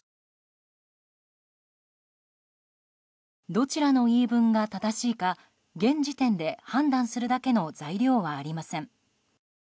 どちらの言い分が正しいか現時点で、判断するだけの材料はありません。